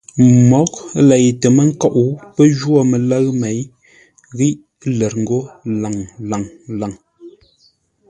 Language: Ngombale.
Mǒghʼ lei tə mə́ kóʼ, pə́ jwô mələ̂ʉ měi ghíʼ lə̂r ńgó lâŋ-lâŋ-lâŋ.